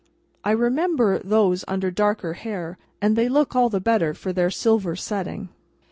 I remember those under darker hair, and they look all the better for their silver setting.